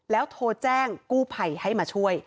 แล้วโทรแจ้งกู้ภัยให้มาช่วย